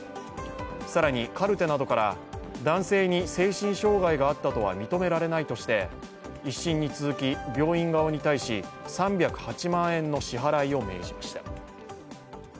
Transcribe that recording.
更にカルテなどから男性に精神障害があったとは認められないとして１審に続き病院側に対し３０８万円の支払いを命じました。